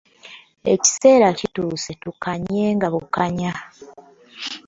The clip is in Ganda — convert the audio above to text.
Ekiseera kituuse tukkaanyenga bukkaanya.